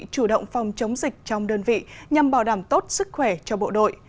chủ động phòng chống dịch trong đơn vị nhằm bảo đảm tốt sức khỏe cho bộ đội